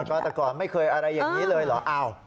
ก็แต่ก่อนไม่เคยอะไรอย่างนี้เลยเหรอ